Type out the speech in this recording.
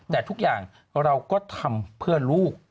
แต่ทุกอย่างเราก็ทำเพื่อลูก